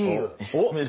おっ！